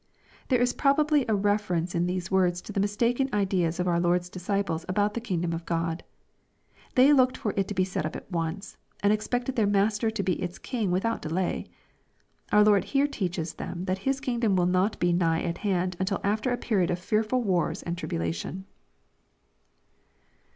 ] There is probably a re ference in these words to the mistaken ideiis of our Lord's disciples about the kingdom of God. They looked for it to be set up at once, and expected their Master to be its King without delay. Our Lord here teaches them that His kingdom will nt)t be nigh at hand until after a period of fearful wars and tribula tion.